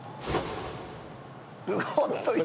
おっと！